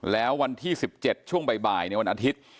แล้ววันที่๑๗ช่วงบ่ายในวันอาทิตย์